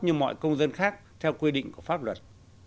như mọi công dân khác theo quy định của pháp luật